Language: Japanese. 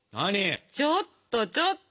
ちょっとちょっと！